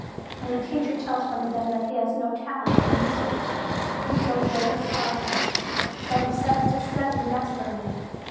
When the teacher tells one of them that he has no talent for music, he feels very sorrow ful, but he sets to studying desperately.